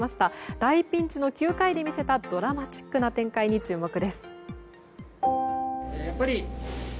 大ピンチの９回で見せたドラマチックな展開に注目です。